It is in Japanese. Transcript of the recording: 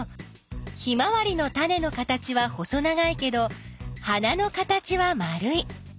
ヒマワリのタネの形は細長いけど花の形は丸い。